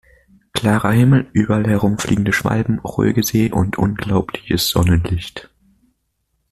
Klarer Himmel, überall herumfliegende Schwalben, ruhige See und unglaubliches Sonnenlicht.